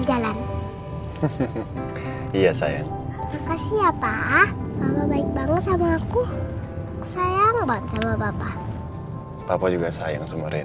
kamu bisa pergi ke kerja necessary di sarang alright